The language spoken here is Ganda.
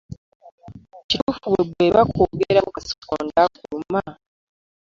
Kituufu bwe bakwogerako kasikonda akuluma?